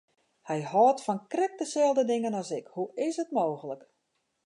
Hy hâldt fan krekt deselde dingen as ik, hoe is it mooglik!